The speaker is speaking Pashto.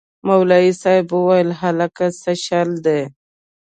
مولوي صاحب وويل هلکه سه چل دې.